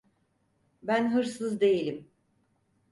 Ben hırsız değilim!